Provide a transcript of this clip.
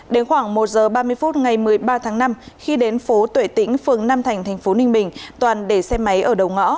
đến khoảng một giờ ba mươi phút ngày một mươi ba tháng năm khi đến phố tuệ tĩnh phường năm thành thành phố ninh bình toàn để xe máy ở đầu ngõ